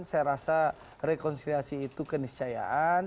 saya rasa rekonsiliasi itu keniscayaan